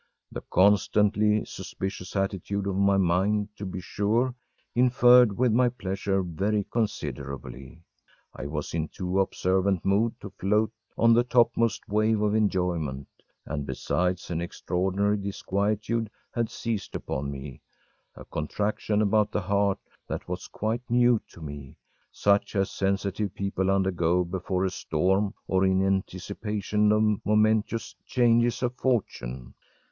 The constantly suspicious attitude of my mind, to be sure, interfered with my pleasure very considerably. I was in a too observant mood to float on the topmost wave of enjoyment, and besides an extraordinary disquietude had seized upon me, a contraction about the heart that was quite new to me, such as sensitive people undergo before a storm or in anticipation of momentous changes of fortune.